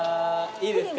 いいですか？